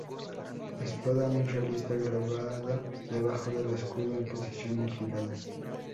Espada muy realista grabada debajo del escudo en posición inclinada.